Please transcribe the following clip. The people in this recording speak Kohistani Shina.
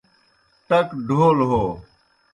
ٹک ڈھول ہو